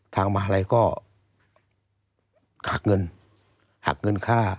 ตั้งแต่ปี๒๕๓๙๒๕๔๘